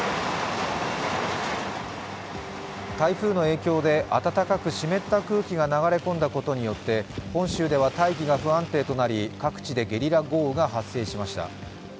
台風の影響で暖かく湿った空気が流れ込んだことによって本州では大気が不安定となり各地でゲリラ豪雨が発生しました。